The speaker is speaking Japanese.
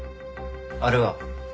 あれは？